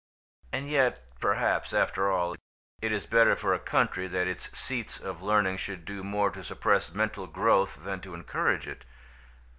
And yet perhaps, after all, it is better for a country that its seats of learning should do more to suppress mental growth than to encourage it.